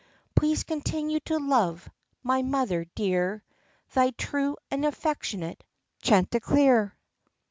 Please continue to love, my mother dear, Thy true and affectionate Chanticleer."